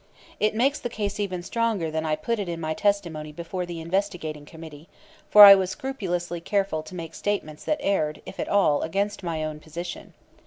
It makes the case even stronger than I put it in my testimony before the Investigating Committee, for I was scrupulously careful to make statements that erred, if at all, against my own position.